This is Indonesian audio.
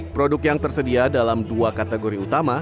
produk yang tersedia dalam dua kategori utama